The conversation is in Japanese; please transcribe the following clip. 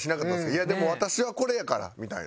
いやでも私はこれやからみたいな。